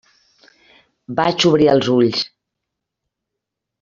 Vaig obrir els ulls.